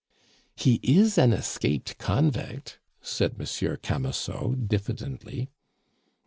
"He is an escaped convict," said Monsieur Camusot, diffidently.